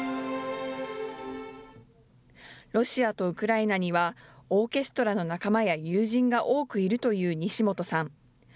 ロシアとウクライナにはオーケストラの仲間や友人が多くいるという西本さん。